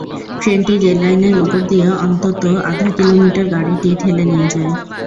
ট্রেনটি রেললাইনের ওপর দিয়ে অন্তত আধা কিলোমিটার গাড়িটি ঠেলে নিয়ে যায়।